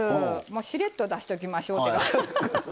もうしれっと出しときましょう。